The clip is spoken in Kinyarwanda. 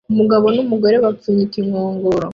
Umugabo numugore bapfunyika inkongoro